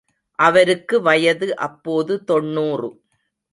அவருக்கு வயது அப்போது தொண்ணூறு.